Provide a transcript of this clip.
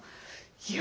いや